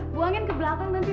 buangin ke belakang nanti